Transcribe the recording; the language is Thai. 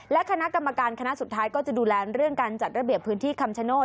และคณะกรรมการคณะสุดท้ายก็จะดูแลเรื่องการจัดระเบียบพื้นที่คำชโนธ